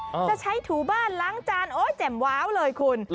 จะใช้ถูบ้านล้างจานโอ๊ยแจ่มว้าวเลยคุณ